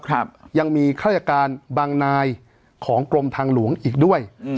ครับยังมีข้าราชการบางนายของกรมทางหลวงอีกด้วยอืม